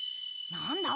なんだ？